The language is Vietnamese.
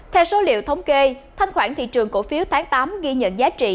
theo số liệu thống kê thanh khoản thị trường cổ phiếu tháng tám ghi nhận giá trị